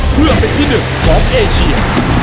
เพื่อเป็นที่หนึ่งของเอเชีย